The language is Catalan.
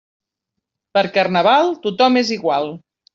Per Carnaval, tothom és igual.